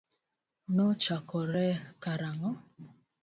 Nochakore karang'o?